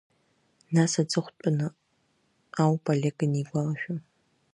Нас, аҵыхәтәаны ауп Олег ианигәалашәа…